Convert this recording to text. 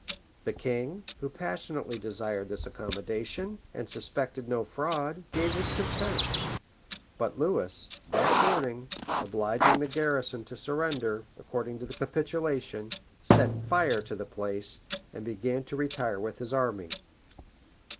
The king, who passionately desired this accommodation, and suspected no fraud, gave his consent; but Lewis, that morning, obliging the garrison to surrender, according to the capitulation, set fire to the place, and began to retire with his army.